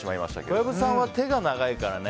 小籔さんは手が長いからね。